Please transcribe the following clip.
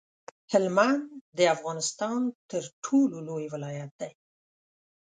هلمند د افغانستان تر ټولو لوی ولایت دی.